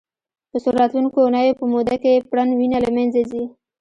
په څو راتلونکو اونیو په موده کې پرڼ وینه له منځه ځي.